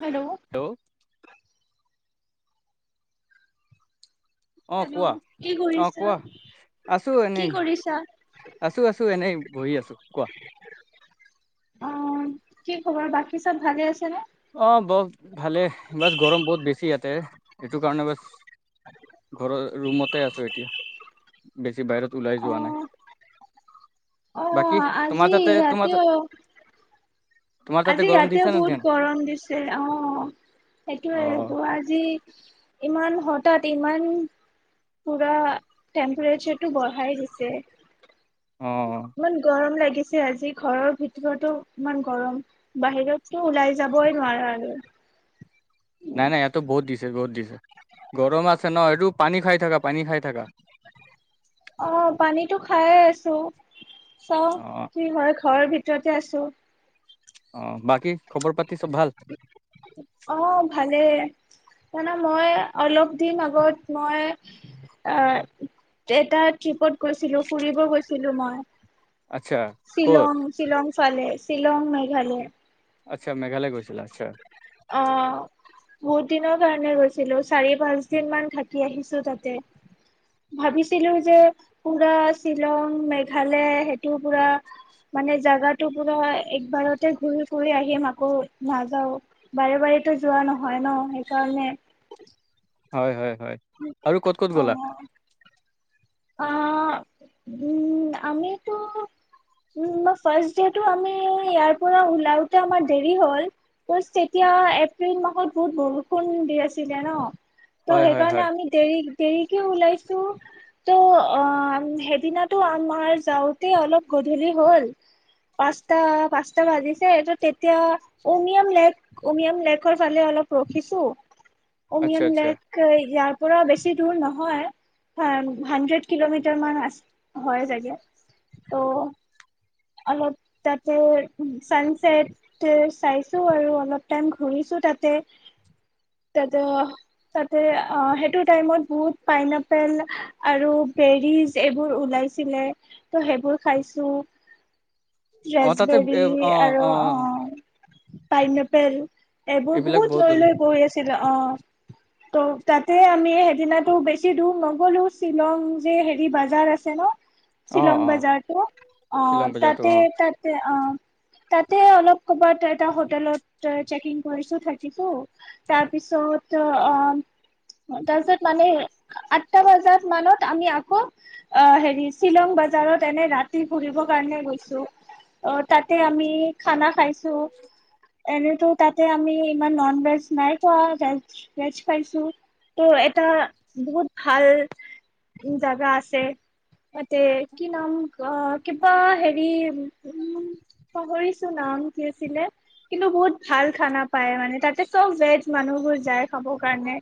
Hello অ hello কোৱা কি অ কৰিছা? কোৱা আছো এনে কি কৰিছা? আছো আছো এনেই বহি আছো কোৱা অ কি খবৰ বাকী চব ভালে আছেনে অ ব ভালে বাছ গৰম বহুত বেছি ইয়াতে এইটো কাৰণে বা ঘৰ ৰুমতে আছো এতিয়া বেছি বাহিৰত ওলাই যোৱা অ', নাই বাকী অ', আজি তোমাৰ তাতে তোমাৰ ইয়াতেও তোমাৰ তাতে গৰম দিছে নেতেন দিছিল অ সেইটোয়ে অ হেটোৱো আজি ইমান হঠাৎ ইমান পুৰা টেম্পাৰেচাৰটো বঢ়াই দিছে অ ইমান গৰম লাগি দিছে আজি ঘৰৰ ভিতৰতো ইমান গৰম বাহিৰতো ওলাই যাবই নোৱাৰে আৰু নাই নাই ইয়াতো বহুত দিছে বহুত দিছে গৰম আছে ন এইটো পানী খাই থাকা পানী খাই থাকা অ পানীতো খাইে আছো চাউ অ কি হয় ঘৰৰ ভিতৰতে আছোঁ অ বাকী খবৰ পাতি চব ভাল অ ভালেই তানে মই অলপ দিম আগত মই এটা ট্ৰিপত গৈছিলো ফুৰিব গৈছিলো মই আচ্ছা ক'ত শ্বিলং শ্বিলং ফালে শ্বিলং মেঘালয় আচ্ছা মেঘালয় গৈছিলা আচ্ছা অ বহুত দিনৰ কাৰণে গৈছিলো চাৰি পাঁচ দিন মান থাকি আহিছো তাতে ভাবিছিলো যে পুৰা শ্বিলং মেঘালয় সেইটো পুৰা মানে জাগাটো পুৰা একবাৰতে ঘূৰি ঘূৰি আহি ম আকৌ নাযাও বাৰে বাৰেটো যোৱা নহয় ন সেইকাৰণে হয় হয় হয় আৰু ক'ত ক'ত গ'লা অ উম আমিতো উম ফাৰ্ষ্ট ডেটো আমি ইয়াৰ পৰা ওলাওতে আমাৰ দেৰি হ'ল তেতিয়া এপ্ৰিল মাহত মোৰ বৰষুণ দি আছিলে ন তো হয় হয় হয় সেইকাৰণে আমি দেৰি দেৰিকে ওলাইছো ত' অ সেইদিনটো আমাৰ যাওঁতে অলপ গধূলি হ'ল পাঁচটা পাঁচটা বাজিছে ত' তেতিয়া উমিয়াম লেক উমিয়াম লেকৰ ফালে অলপ ৰখিছো আচ্ছা অমিয়ান আচ্ছা লেক ইয়াৰ পূৰা বেছি দূৰ নহয় হানড্ৰেড কিলোমিটাৰ মান আ হয় চাগে ত' অলপ তাতে চানচেট চাইছো আৰু অলপ টাইম ঘূৰিছো তাতে তাতে তাতে সেইটো টাইমত বহুত পাইন এপেল আৰু বেৰিজ এইবোৰ ওলাইছিলে ত' সেইবোৰ খাইছো অ তাতে এ লেছবেৰী অ আৰু অ পাইনাপেল এইবোৰ এইবিলাক বহুত লৈ লৈ ওলাই গৈ আছে শিল অ ত' তাতে আমি সেইদিনাটো বেছি দূৰ নগলো শ্বিলং যে হেৰি বাজাৰ আছে ন অ শ্বিলং অ বজাৰতো অ শ্বিলং বজাৰতো তে অ তাততে অ তাতে অলপ কৰবাত এটা হোটেলত চেকিং কৰিছো থাকিছো তাৰপিছত অ তাৰপিছত মানে আঠটা বজাত মানত আমি আকৌ অ হেৰি শ্বিলং বজাৰত এনে ৰাতি ফুৰিব কাৰণে গৈ অ তাতে আমি খানা খাইছো চ এনেতো তাতে আমি ইমান নন ভেজ নাই কোৱা ভেজ ভেজ পাইছো ত' এটা বহুত ভাল জাগা আছে তাতে কি নাম কিবা উম পাহৰিছো নাম কি আছিলে কিন্তু বহুত ভাল খানা পায় মানে তাতে চব ভেজ মানুহবোৰ যায় খাব কাৰণে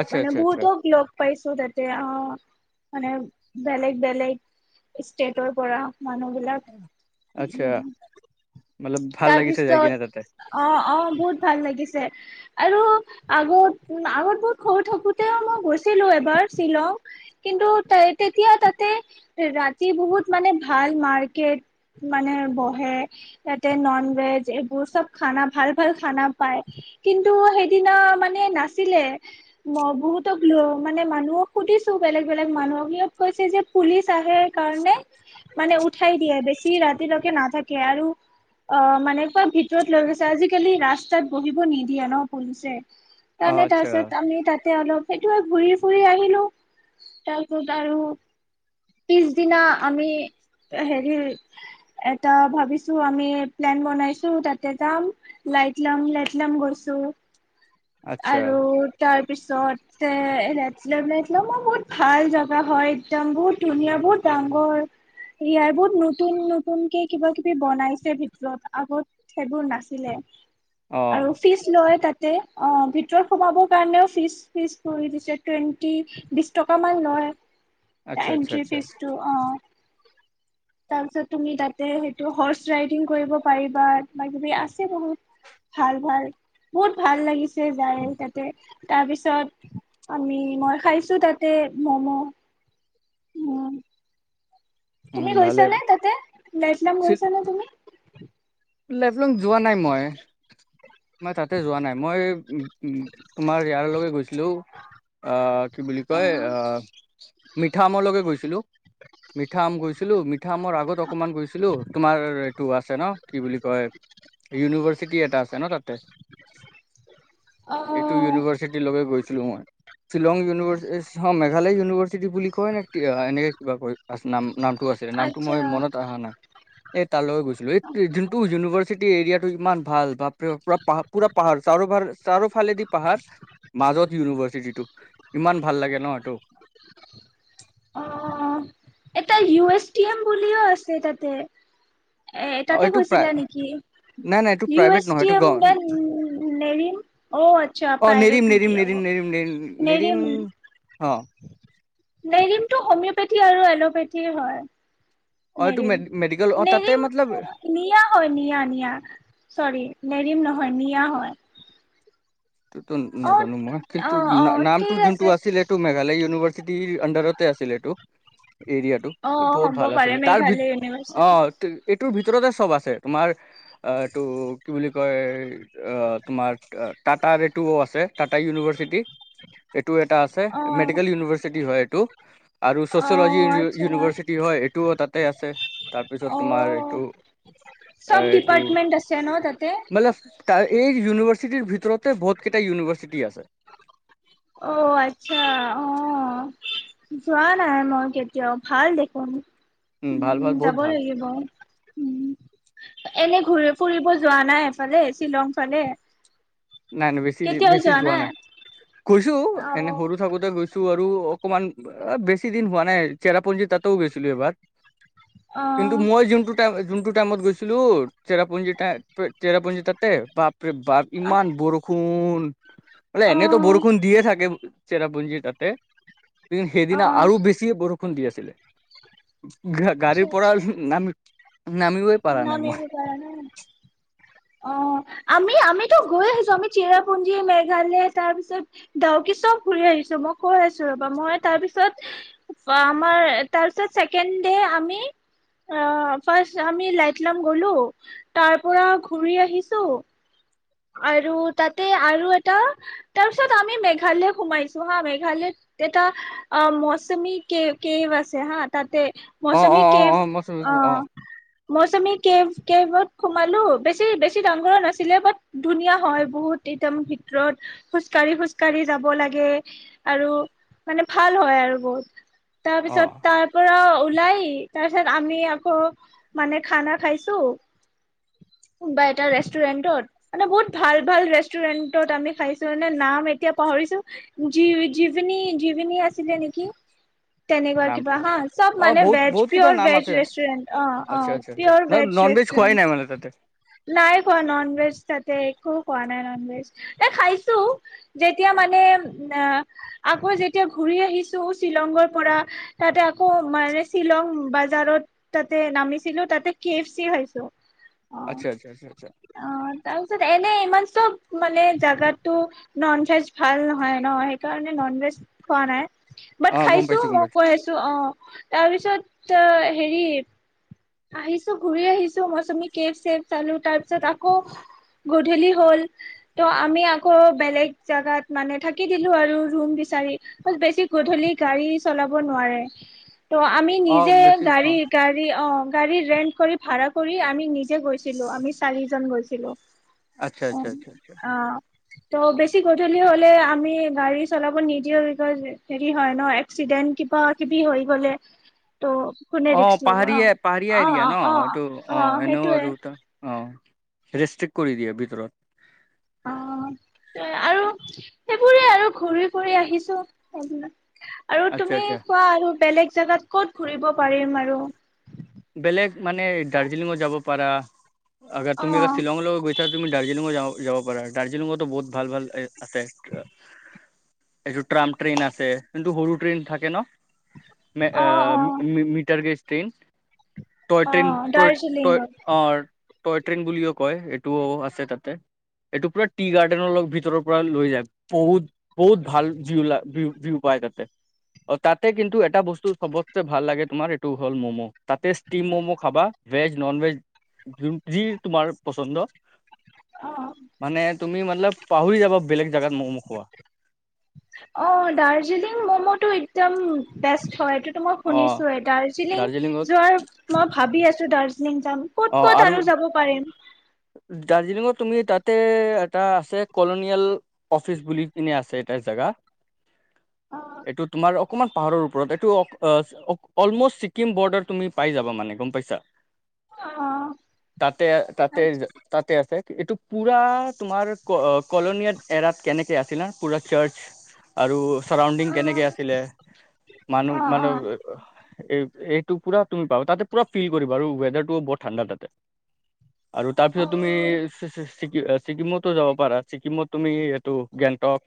আচ্ছা মানে আচ্ছা আচ্ছা বহুতক লগ পাইছো তাতে অ মানে বেলেগ বেলেগ ষ্টেটৰ পৰা মানুহ বিলাক আচ্ছা মতলব ভাল লাগিছে যাই কিনে তাতে তাৰপিছত অ অ বহুত ভাল লাগিছে আৰু আগত আগত বহুত খ থাকোতেও মই গৈছিলো এবাৰ শ্বিলং কিন্তু তেতিয়া তাতে ৰাতি বহুত মানে ভাল মাৰ্কেট মানে বহে নন ভেজ এইবোৰ চব খানা ভাল ভাল খানা পায় কিন্তু সেইদিনা মানে নাছিলে ম বহুতক মানে মানুহক সুধিছো বেলেগ বেলেগ মানুহক সিহঁত কৈছে যে পুলিচ আহে কাৰণে মানে উঠাই দিয়ে বেছি ৰাতিলৈকে নাথাকে আৰু অ মানে কুৱা ভিতৰত লৈ গৈছে আজিকালি ৰাস্তাত বহিব নিদিয়ে ন পুলিচে অ আচ্ছা তাৰমানে [unintelligible] আমি তাত তে অলপ, সেইটোৱে ঘূৰি ফুৰি আহিলোঁ। তাৰ ওপৰত আৰু পিছদিনা আমি হেৰি এটা ভাবিছোঁ আমি প্লেন বনাইছোঁ তাতে যাম, লাইট লং লাইট লং গৈছোঁ। আচ্ছা আৰু তাৰ পিছতে [unintelligible] মই বহুত ভাল জাগা হয়। একদম বহুত ধুনীয়া বহুত ডাঙৰ। ইয়াৰ বহুত নতুন নতুনকে কিবা কিবি বনাইছে ভিতৰত, আগত সেইবোৰ নাছিলে। অ আৰু ফিছ লয় তাত তে অ', ভিতৰত সোমাবৰ কাৰণেও ফিছ ফিছ কৰি দিছে, টুৱেণ্টি বিছ টকামান লয়। আচ্ছা আচ্ছা এন্ট্ৰী আচ্ছা ফিছটো অ'। তাৰ পিছত তুমি তাতে সেইটো হৰ্চ ৰাইডিং কৰিব পাৰিবা, কিবা কিবি আছে বহুত ভাল ভাল। বহুত ভাল লাগিছ যায় তাতে তাৰপিছত আমি। মই খাইছোঁ তাতে ম'ম' উম। উম তুমি ভালে গৈছা নে তাতে? লাইট লং গৈছা নে তুমি? লাইভ লং যোৱা নাই মই। মই তাতে যোৱা নাই মই উ, উ, তোমাৰ ইয়াৰ লগে গৈছিলোঁ, অ', কি বুলি অ কয় অহ, মিঠা আম লৈকে গৈছিলোঁ। মিঠা আম গৈছ ছিলোঁ মি পিঠা মোৰ আগত অকমান গৈছিলোঁ, তোমাৰ এইটো আছে ন'। কি বুলি কয়? ইউনিভাৰ্চিটি এটা আছে ন' তাতে? অ এইটো ইউনিভাৰ্চিটি লগে গৈছ শ্বিলংৰ শ্বিলং ইউনিভাৰ্চি মেঘালয় ইউনিভাৰ্চিটি বুলি কয় নে এনেকৈ কিবা কৰি আছে নাম। নামটো আছিলে, নামটো আচ্ছা মই মনত অহা নাই এই তালৈ গৈছিলোঁ। এই যোনটো ইউনিভাৰ্চিটি এৰিয়াটো ইমান ভাল বাপ ৰে পুৰা পাহাৰ পুৰা পাহাৰ চাৰো পাহাৰ চাৰোফালেদি পাহাৰ মাজত ইউনিভাৰ্চিটিটো ইমান ভাল লাগে ন এইটো। অ' এটা ইউ এছটি এম বুলিও আছে তাতে। এ অ তাতে এইটো প্ৰায় গৈছিলা নেকি? নাই নাই এইটো ইউ প্ৰাইভেট নহয় এছটি এইটো গ এম নে নেৰিম অ' আচ্ছা, অ প্ৰাইভেট নেৰিম নেৰিম নেকি নেৰিম অ' নেৰিম নেৰিম নেৰিম। অ নেৰিমটো হোমিওপেথি আৰু এলোপেথি হয়। অ এইটো নেৰিম মেডিকেল অ তাতে নেৰিম মতলব নিয়া হয় নিয়া নিয়া চৰি। নেৰিম নহয় নিয়া হয়। টো অ'। নাজানোঁ মই। কিন্তু অ' অ' নামটো ঠিক যোনটো আছে আছিল টো মেঘালয় ইউনিভাৰ্চিটিৰ আন্দাৰতে আছিলেটো। এৰিয়াটো অ' বহুত হ'ব ভাল পাৰে আছিলে, তাৰ ভিত মেঘালয় ইউনিভাৰ্চিটি। অ'। এইটোৰ ভিতৰতে চব আছে তোমাৰ এইটো কি বুলি কয় তোমাৰ টাটা এইটোও আছে। টাটা ইউনিভাৰ্চিটি। এইটো এটা আছে অ' মেডিকেল ইউনিভাৰ্চিটি হয়। টো আৰু চচিয়লজি অ' আচ্ছা ইউনিভাৰ্চিটি হয় এইটোও তাতে আছে তাৰপিছত তোমাৰ এইটো অ'। এ চব এইটো ডিপাৰ্টমেন্ট আছে ন তাতে [unintelligible] এই ইউনিভাৰ্চিটিৰ ভিতৰত বহুত অ আচ্ছা অ যোৱা নাই মই কেতিয়াও ভাল দেখোন ভাল উম ভাল বহুত যাব ভাল লাগিব উম এনে ঘূৰি ফুৰিব যোৱা নাই এফালে শ্বিলং ফালে নাই নাই বেছি দি বেছি যোৱা নাই কৈছো অ এনে সৰু থাকোতে গৈছো ছো আৰু অকণমান বেছি দিন হোৱা নাই চেৰাপুঞ্জী তাতেও গৈছিলো এবাৰ অ কিন্তু মই যোনটো যোনটো টাইমত গৈছিলো চেৰাপু্ঞ্জী তা [unintelligible] চেৰাপুঞ্জী তাতে বাৰ ইমান বৰষুণ বলে অ এনেতো বৰষুণ দিয়ে থাকে চেৰাপুঞ্জী তাতে অ সেইদিনা আৰু বেছি বৰষু খুন দি আছিলে গা আচ্ছা গাড়ীৰ পৰা আচ্ছা নামি নামিবই পাৰা নাই নাম মই এইবোৰ পৰা নাই অ আমি আমিতো গৈ আহিছো আমি চিৰাপুঞ্জী মেঘালয় তাৰপিছত ডাউকি চব ঘুৰি আহিছো মই কৈ আছো ৰবা মই তাৰপিছত আমাৰ তাৰপিছত ছেকেণ্ড আমি ফাষ্ট আমি লাইটলাম গলো তাৰ পৰা ঘূৰি আহিছো আৰু তাতে আৰু এটা তাৰ পিছত আমি মেঘালয় সোমাইছো হা মেঘালয়ত এটা অ মৌচুমী কে কেভ আছে হা তাতে অ অ মৌচমী অ কে অ মই অ চো- মৌচমী কে কেবত সোমালো বেছি বেছি দাঙ্গৰ নাছিলে বাট ধুনীয়া হয় বহুত এতম ভিতৰত খোজ কঢ়ি খোজ কাঢ়ি যাব লাগে আৰু মানে ভাল হয় আৰু বহুত অ তাৰপিছত তাৰ পৰা ওলাই তাৰপিছত আমি আকৌ মানে খানা খাইছো কোনোবা এটা ৰেষ্টুৰেণ্টত মানে বহুত ভাল ভাল ৰেষ্টুৰেন্টত আমি খাইছো মানে নাম এতিয়া পাহৰিছো জীভিনী জীভিনী আছিলে নেকি তেনেকুৱা নাম কিবা হয় চব অ মানে বহুত ভেজ বহুত কেইটা প্ৰিয়ৰ নাম ভেজ আছে ৰেষ্টুৰেণ্ট অ অ আচ্ছা আচ্ছা আচ্ছা প্ৰিয়ৰ ভেজ নন খোৱাই ৰেষ্টুৰেণ্ট নাই মানে তাতে নাই কোৱা নন ভেজ তাতে একো খোৱা নাই নন ভেজ এ খাইছো যেতিয়া মানে আকৌ যেতিয়া ঘূৰি আহিছো শ্বিলঙৰ পৰা তাতে আকৌ মানে শ্বিলং বাজাৰত তাতে নামিছিলো তাতে কে এফ চি খাইছো অ আচ্ছা আচ্ছা আচ্ছা আচ্ছা অ তাৰপিছত এনে ইমান চব মানে জাগাটো নন ভেজ ভাল নহয় ন সেইকাৰণে নন ভেজ খোৱা নাই অ বাট গম খাইছো পাইছো গম মই পাইছো কৈ আছো অ তাৰপিছত হেৰি আহিছোঁ ঘুৰি আহিছোঁ মৌচুমী কেব-চেভ চালো, তাৰ পিছত আকৌ গধূলি হ'ল ত' আমি আকৌ বেলেগ জাগাত মানে থাকি দিলো আৰু ৰুম বিচাৰি বেছি গধূলি গাড়ী চলাব নোৱাৰে। ত' আমি অ নিজে বেছি অ গাড়ী গাড়ী অ' গাড়ী ৰেণ্ট কৰি, ভাড়া কৰি, আমি নিজেই গৈছিলোঁ। আমি চাৰিজন গৈছিলোঁ। আচ্ছা আচ্ছা অ', আচ্ছা আচ্ছা আ ত', বেছি গধূলি হ'লে আমি গাড়ী চলাব নিদিওঁ। বিকজ, হেৰি, হয় ন', এক্সিডেণ্ট কিবা-কিবি হৈ গ'লে ত' কোনে অ', ৰিক্স ল'ব ন পাহাৰীয়ে, অ পাহাৰীয়ে দিয়ে অ অ ন'। এইটো, অ'। এনেও আৰু এটা অ', ৰেষ্ট্ৰিক্ট কৰি দিয়ে ভিতৰত। অ', এ, আৰু সেইবোৰে, আৰু ঘূৰি-ফুৰি আহিছোঁ। সেইবিলাক আৰু আচ্ছা তুমি আচ্ছা কোৱা। আৰু বেলেগ জেগাত ক'ত ঘূৰিব পাৰিম আৰু বেলেগ, মানে, দাৰ্জিলিংও যাব পাৰা আগাৰ, অ তুমি আগৰ চিলঙলৈও গৈছা তুমি দাৰ্জিলিংও যাব পাৰা। দাৰ্জিলিঙতো বহুত ভাল, ভাল [unintelligible] আছে। এইটো ট্ৰাম্প ট্ৰেইন আছে। কিন্তু সৰু ট্ৰেইন থাকে ন' মে আ অ অ মিটাৰ গেছ ট্ৰেইন টয় অ ট্ৰেইন। Toy, toy. দাৰ্জিলিঙত অ' টয় ট্ৰেইন বুলিও কয়। এইটোও আছে তাতে। এইটো পুৰা টি গাৰ্ডেনৰ ভিতৰৰ পৰা লৈ যায়। বহুত, বহুত ভাল যিবিলাক ভিউ-ভিউ পায় তাতে। অ', তাতে কিন্তু এটা বস্তু চবতছে ভাল লাগে তোমাৰ। এইটো হ'ল মম' তাতে ষ্টিম মম' খাবা। ভেজ, নন-ভেজ, যি তোমাৰ পচন্দ মানে অ'। তুমি মতলব পাহৰি যাবা বেলেগ জেগাত ম'ম' খোৱা অ', দাৰ্জিলিং মম'টো একদম বেষ্ট হয়টো মই অ শুনিছো এ দাৰ্জিলিং দাৰ্জিলিঙত যোৱাৰ মই ভাবি আছো। [unintelligible] যাম, ক'ত ক'ত আৰু যাব পাৰিম? দাৰ্জিলিঙত তুমি তাতে এটা আছে কলনিয়েল অফিচ বুলি কিনে আছে এটা জেগা। অ এইটো তোমাৰ অকণমান পাহাৰৰ ওপৰত এইটো অলমষ্ট ছিকিম বৰ্ডাৰ তুমি পাই যাবা মানে গম পাইছা। অ তাতে তাতে অ তে তাতে আছে। এইটো পুৰা তোমাৰ কলনিয়াত এৰাত কেনেকে আছিল ন' পুৰা চাৰ্চ আৰু চাৰাউণ্ডিং কেনেকে আছিলে, মানুহ অ অ অ অ মানে এই এইটো পুৰা তুমি পাবা তাতে পুৰা ফিল কৰিবা আৰু ৱেডাৰটোও বহুত ঠাণ্ডা তাতে। আৰু তাৰ পিছত তুমি ছিকিমতো যাব পাৰা ছিকিমত তুমি এইটো গেংটক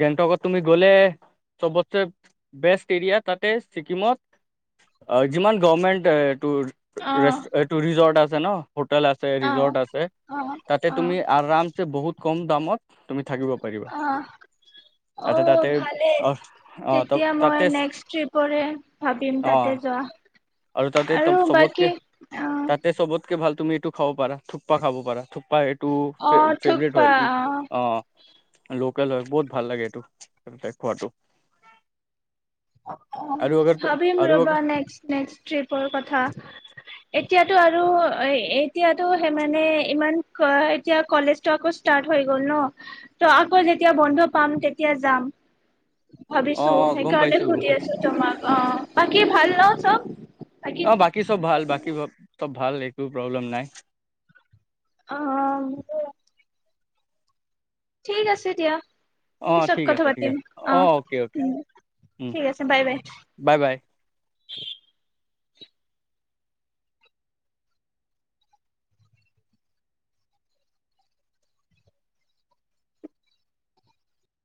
গেংটকত তুমি গ'লে চবতকে বেষ্ট এৰিয়া তাতে ছিকিমত যিমান গভমেণ্ট অ এইটো ৰিজৰ্ট আছে জান হ আছে জৰ্ আছে অ তাতে অ তুমি আৰাম বহুত কম দামত তুমি থাকিব পাৰিবা অঁ এটা আহ তাতে ভালেই অহ অ ত তেতিয়া মই তাতে নেক্সট ট্ৰিপৰে ভাবিম অ তাতে যোৱা তাতে আৰু চবতকে বাকী অ তাতে চবতকে ভাল তুমি এইটো খাব পাৰা থুপা খাব পাৰা থুপা এইটো অ' ফেভৰেট থুকপা হয় অ' অঁ লোকেল হয় বহুত ভাল লাগে এইটো খোৱাতটো অঁ ভাবিম আৰু আগ ৰবা নেক্স নেক্স ট্ৰিপৰ কথা এতিয়াতটো আৰু এতিয়াতো সেই মানে ইমান এতিয়া কলেজটো আকৌ ষ্টাৰ্ট হৈ গল ন ত আকৌ যেতিয়া বন্ধ পাম তেতিয়া যাম অ ভাবিছো অ গম সেইকাৰণে পাইছো গম সুধি পাইছো আছো তোমাক অঁ বাকি ভাল ন চব অঁ বাকী চব ভাল বাকী চব ভাল একো প্ৰব্লেম নাই অঁ ঠিক আছে দিয়া অঁ পিছত ঠিক কথা আছে ঠিক পাতিম আছে অ অঁ অ'কে অ'কে উম ঠিক আছে বাই বাই বাই বাই